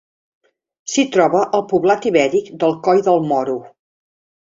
S'hi troba el poblat ibèric del Coll del Moro.